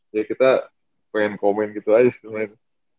ya kita pengen komen gitu aja sebenarnya